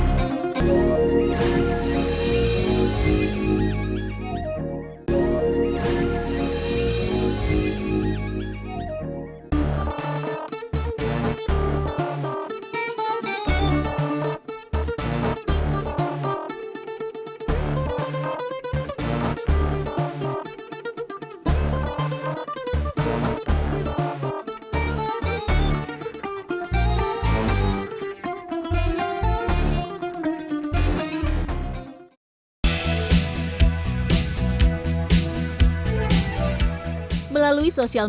semua cukup juga